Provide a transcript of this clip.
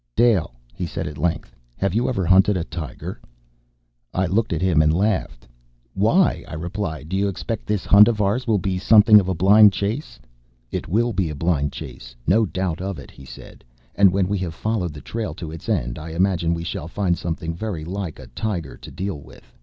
"Dale," he said at length, "have you ever hunted tiger?" I looked at him and laughed. "Why?" I replied. "Do you expect this hunt of ours will be something of a blind chase?" "It will be a blind chase, no doubt of it," he said. "And when we have followed the trail to its end, I imagine we shall find something very like a tiger to deal with.